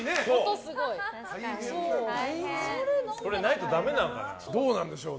それないとダメなのかな。